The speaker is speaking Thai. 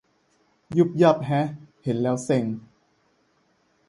ยุ่บยั่บฮะ เห็นแล้วเซ็ง